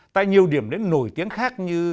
tại nhiều điểm đến nổi tiếng khác như